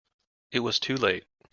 It was too late.